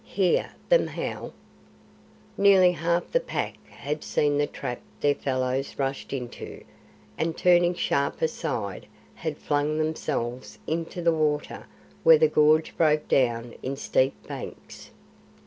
Hear them howl!" Nearly half the pack had seen the trap their fellows rushed into, and turning sharp aside had flung themselves into the water where the gorge broke down in steep banks.